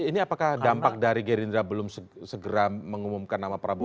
ini apakah dampak dari gerindra belum segera mengumumkan nama prabowo